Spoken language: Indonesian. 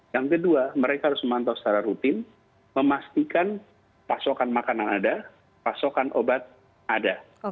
yang kedua mereka harus memantau secara rutin memastikan pasokan makanan ada pasokan obat ada